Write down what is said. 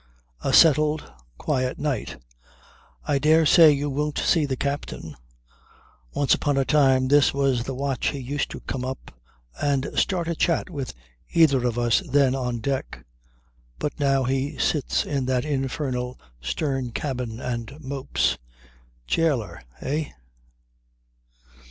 A settled, quiet night. I dare say you won't see the captain. Once upon a time this was the watch he used to come up and start a chat with either of us then on deck. But now he sits in that infernal stern cabin and mopes. Jailer eh?"